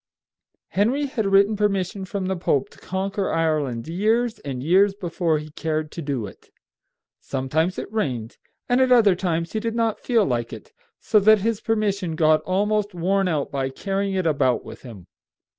Henry had written permission from the Pope to conquer Ireland years and years before he cared to do it. Sometimes it rained, and at other times he did not feel like it, so that his permission got almost worn out by carrying it about with him.